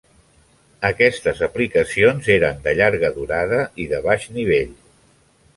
Aquestes aplicacions eren de llarga durada i de baix nivell.